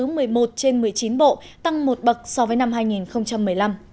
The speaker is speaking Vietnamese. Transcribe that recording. nhưng một mươi chín bộ tăng một bậc so với năm hai nghìn một mươi năm